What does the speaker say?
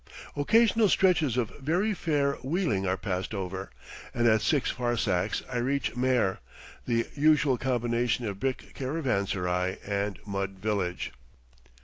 Occasional stretches of very fair wheeling are passed over, and at six farsakhs I reach Mehr, the usual combination of brick caravanserai and mud village.